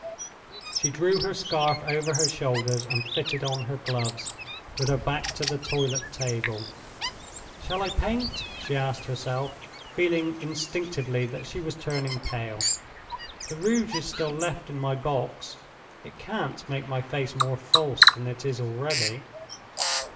She drew her scarf over her shoulders and fitted on her gloves, with her back to the toilet table. "Shall I paint?" she asked herself, feeling instinctively that she was turning pale. "The rouge is still left in my box. It can't make my face more false than it is already."